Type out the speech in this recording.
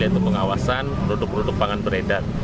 yaitu pengawasan produk produk pangan beredar